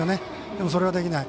でも、それはできない。